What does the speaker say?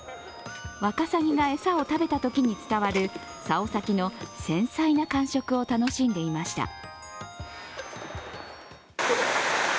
ワカサギが餌を食べたときに伝わるさお先の繊細な感触を楽しんでいました。